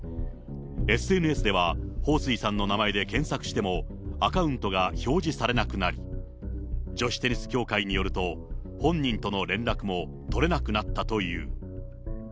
ＳＮＳでは、彭帥さんの名前で検索しても、アカウントが表示されなくなり、女子テニス協会によると、本人との連絡も取れなくなったという。